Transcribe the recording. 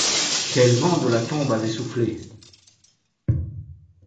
Quel vent de la tombe avait soufflé?